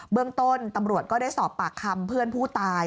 เรื่องต้นตำรวจก็ได้สอบปากคำเพื่อนผู้ตาย